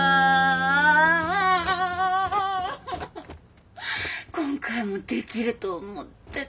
今回もできると思ってた。